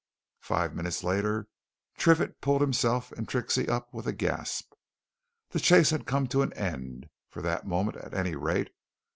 Five minutes later Triffitt pulled himself and Trixie up with a gasp. The chase had come to an end for that moment, at any rate.